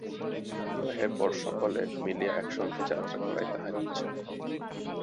বিবাহের পর সকলে মিলিয়া একসঙ্গে যাত্রা করাই তাঁহার ইচ্ছা।